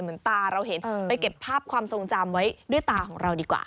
เหมือนตาเราเห็นไปเก็บภาพความทรงจำไว้ด้วยตาของเราดีกว่า